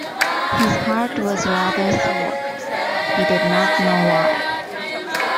His heart was rather sore; he did not know why.